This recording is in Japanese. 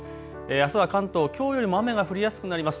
あすは関東きょうよりも雨が降りやすくなります。